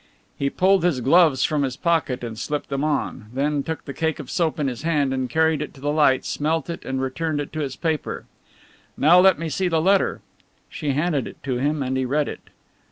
He pulled his gloves from his pocket and slipped them on, then took the cake of soap in his hand and carried it to the light, smelt it and returned it to its paper. "Now let me see the letter." She handed it to him, and he read it.